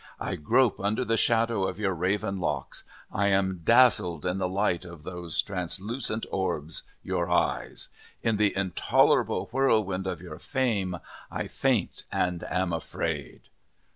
I grope under the shadow of your raven Locks. I am dazzled in the light of those translucent Orbs, your Eyes. In the intolerable Whirlwind of your Fame I faint and am afraid."